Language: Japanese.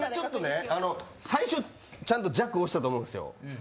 最初、ちゃんと弱を押したと思うんですよ。